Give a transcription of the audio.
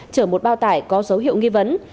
chở một bao tải có dấu hiệu nghi vấn